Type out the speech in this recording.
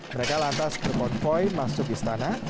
mereka lantas ke montvoy masuk istana